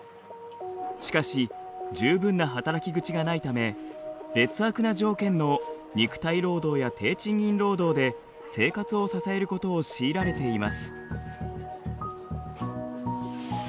しかし十分な働き口がないため劣悪な条件の肉体労働や低賃金労働で生活を支えることを強いられています。